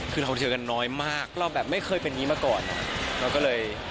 คือเราเจอกันน้อยมากเราแบบไม่เคยเป็นอย่างนี้มาก่อนเราก็เลย